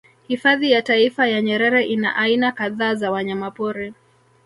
Hifadhi ya Taifa ya Nyerere ina aina kadhaa za wanyamapori